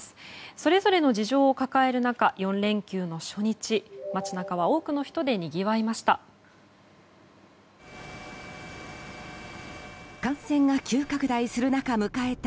それぞれの事情を抱える中４連休の初日、街中は多くの人でにぎわいました。